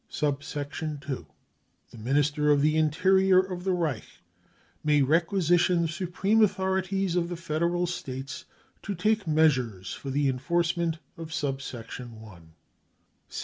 (2) The Minister of the Interior of the Reich may requisition the Supreme Authorities of the Federal States to take measures for the enforcement of sub section (1). " II.